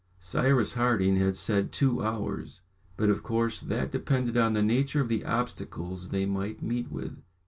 Cyrus Harding had said two hours, but of course that depended on the nature of the obstacles they might meet with.